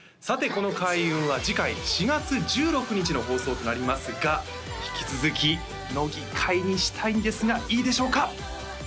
さてこの開運は次回４月１６日の放送となりますが引き続き乃木回にしたいんですがいいでしょうか？